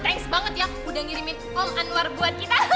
thanks banget ya udah ngirimin om anwar buat kita